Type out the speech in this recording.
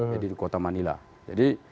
jadi di kota manila jadi